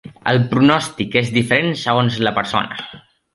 El pronòstic és diferent segons la persona.